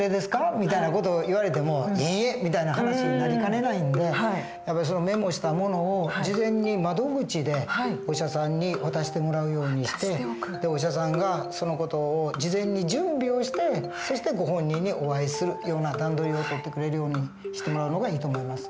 みたいな事を言われても「いいえ」みたいな話になりかねないんでメモしたものを事前に窓口でお医者さんに渡してもらうようにしてお医者さんがその事を事前に準備をしてそしてご本人にお会いするような段取りを取ってくれるようにしてもらうのがいいと思います。